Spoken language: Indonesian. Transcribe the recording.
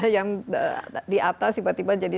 yang di atas tiba tiba jadi